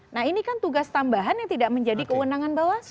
nah ini kan tugas tambahan yang tidak menjadi kewenangan bawaslu